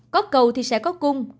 có cầu thì sẽ có cung